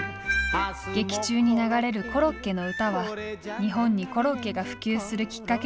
劇中に流れる「コロッケの唄」は日本にコロッケが普及するきっかけになったといわれています。